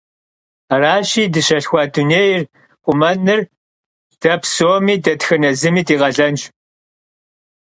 Araşi, dışalhxua dunêyr xhumenır de psomi, detxene zımi di khalenş.